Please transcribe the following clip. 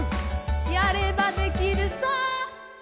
やればできるさ！